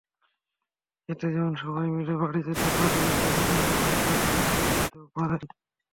এতে যেমন সবাই মিলে বাড়ি যেতে পারেন, তেমনি আবার একত্রে ফিরতেও পারেন।